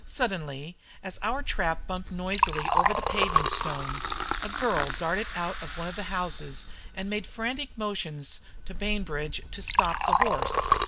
Suddenly, as our trap bumped noisily over the paving stones, a girl darted out of one of the houses and made frantic motions to Bainbridge to stop the horse.